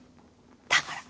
だから。